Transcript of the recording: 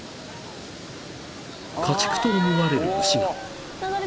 ［家畜と思われる牛が］